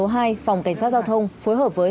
phòng cảnh sát giao thông phối hợp với